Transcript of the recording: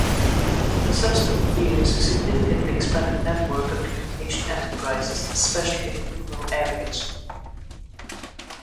In subsequent years, significantly expanded network of communication enterprises, especially in rural areas.